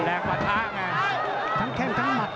แรงบรรทะแขนมัน